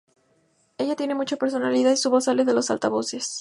Ella tiene mucha personalidad y su voz sale de los altavoces.